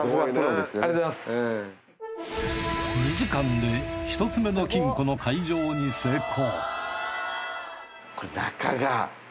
２時間で１つ目の金庫の開錠に成功